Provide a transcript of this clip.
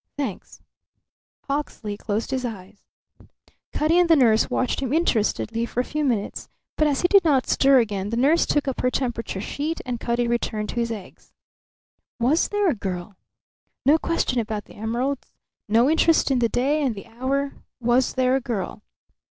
"Thanks." Hawksley closed his eyes. Cutty and the nurse watched him interestedly for a few minutes; but as he did not stir again the nurse took up her temperature sheet and Cutty returned to his eggs. Was there a girl? No question about the emeralds, no interest in the day and the hour. Was there a girl?